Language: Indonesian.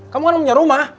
kamu kan punya rumah